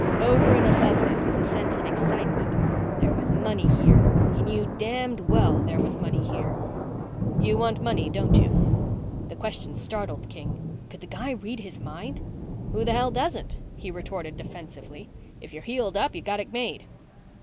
Over and above this was a sense of excitement. There was money here he knew damned well there was money here. "You want money, don't you?" The question startled King. Could the guy read his mind? "Who the hell doesn't?" he retorted defensively. "If you're heeled you've got it made."